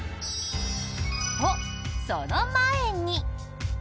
と、その前に。